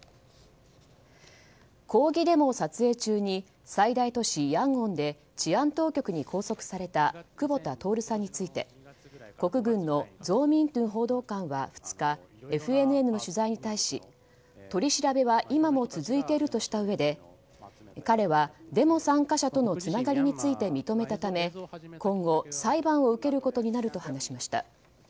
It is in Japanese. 抗議デモを撮影中に最大都市ヤンゴンで治安当局に拘束された久保田徹さんについて国軍のゾーミントゥン報道官は２日ＦＮＮの取材に対し、取り調べは今も続いているとしたうえで彼はデモ参加者とのつながりについて認めたため今後、裁判を受けることになると話しました。